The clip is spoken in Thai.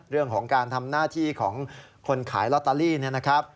เรื่องของการทำหน้าที่ของคนขายลอตเตอรี่เนี่ยนะครับ